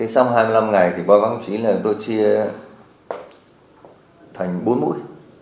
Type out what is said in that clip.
sau hai mươi năm ngày báo cáo chỉ lần tôi chia thành bốn mũi